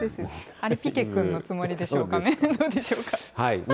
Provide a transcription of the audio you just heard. あれ、ピケ君のつもりでしょうかね。